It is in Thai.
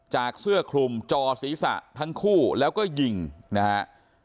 เสื้อคลุมจอศีรษะทั้งคู่แล้วก็ยิงนะฮะ